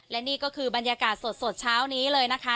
และนี่ก็คือบรรยากาศสดเช้านี้เลยนะคะ